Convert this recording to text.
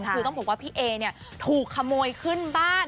คือต้องบอกว่าพี่เอเนี่ยถูกขโมยขึ้นบ้าน